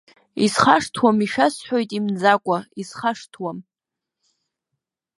Исхашҭуам, ишәасҳәоит имӡакәа, исхашҭуам.